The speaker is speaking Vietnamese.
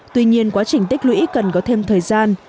tuy nhiên quá trình tích lũy cần có thêm thời gian